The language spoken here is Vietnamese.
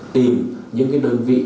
tìm những đơn vị